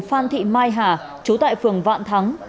phan thị mai hà chú tại phường vạn thắng